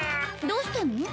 どうしたの？